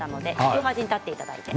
両端に立っていただいて。